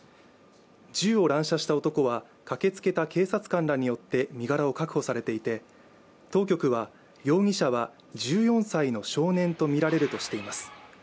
銃を乱射した男は、駆けつけた警察官らによって身柄を確保されていて当局は、容疑者は１４歳の少年とみられるとしています。